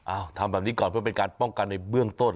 ทำแบบนี้ก่อนเพื่อเป็นการป้องกันในเบื้องต้น